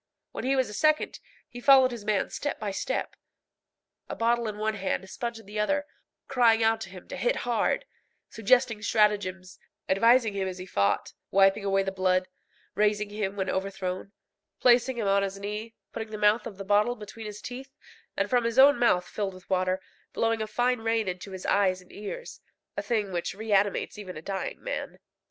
When he was a second, he followed his man step by step, a bottle in one hand, a sponge in the other, crying out to him to hit hard, suggesting stratagems, advising him as he fought, wiping away the blood, raising him when overthrown, placing him on his knee, putting the mouth of the bottle between his teeth, and from his own mouth, filled with water, blowing a fine rain into his eyes and ears a thing which reanimates even a dying man.